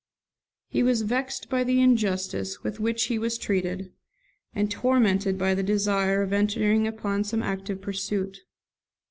He was vexed by the injustice with which he was treated, and tormented by the desire of entering upon some active pursuit.